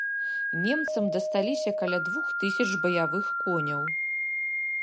Немцам дасталіся каля двух тысяч баявых коняў.